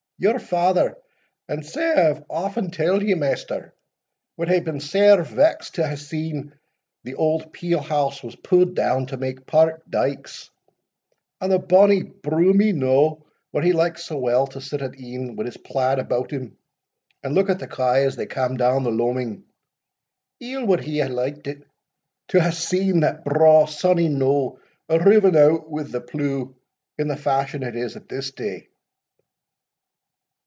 "Your father, and sae I have aften tell'd ye, maister, wad hae been sair vexed to hae seen the auld peel house wa's pu'd down to make park dykes; and the bonny broomy knowe, where he liked sae weel to sit at e'en, wi' his plaid about him, and look at the kye as they cam down the loaning, ill wad he hae liked to hae seen that braw sunny knowe a' riven out wi' the pleugh in the fashion it is at this day."